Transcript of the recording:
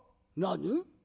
何？